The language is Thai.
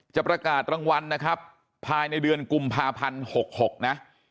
จะประกาศรางวัลนะครับภายในเดือนกุมภาพันธ์๖๖นะ